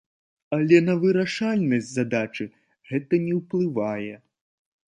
Але на вырашальнасць задачы гэта не ўплывае!